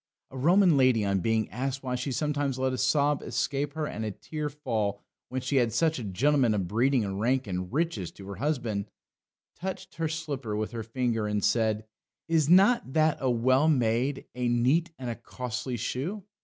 A Roman lady on being asked why she sometimes let a sob escape her and a tear fall, when she had such a gentleman of breeding and rank and riches to her husband, touched her slipper with her finger and said: "Is not that a well made, a neat, and a costly shoe?